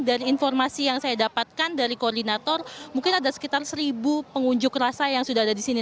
dari informasi yang saya dapatkan dari koordinator mungkin ada sekitar seribu pengunjuk rasa yang sudah ada di sini